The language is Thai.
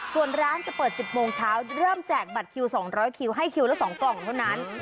ส่วนร้านจะเปิด๑๐โมงเช้าเริ่มแจกบัตรคิว๒๐๐คิวให้คิวละ๒กล่องเท่านั้น